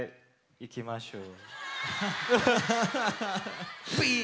いきましょう！